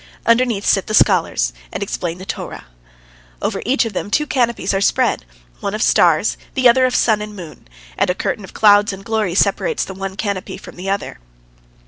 Underneath sit the scholars and explain the Torah. Over each of them two canopies are spread, one of stars, the other of sun and moon, and a curtain of clouds of glory separates the one canopy from the other.